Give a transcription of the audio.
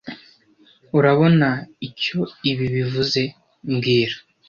Urabona icyo ibi bivuze mbwira